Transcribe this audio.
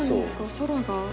空が？